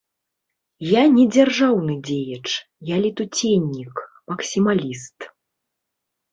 Я не дзяржаўны дзеяч, я летуценнік, максімаліст.